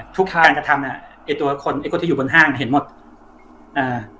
ทุกการกระทำเนี้ยไอ้ตัวคนไอ้คนที่อยู่บนห้างเห็นหมดอ่า